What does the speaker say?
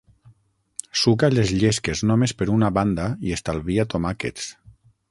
Suca les llesques només per una banda i estalvia tomàquets.